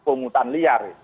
pemutan liar gitu